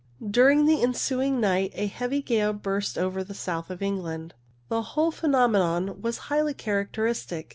During the ensuing night a heavy gale burst over the south of England. The whole phenomenon was highly character istic.